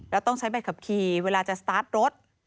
แล้วต้องใช้ใบขับขี่เวลาจะสตาร์ทรถ